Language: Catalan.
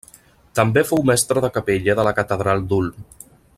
També fou mestre de capella de la catedral d'Ulm.